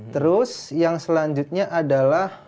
terus yang selanjutnya adalah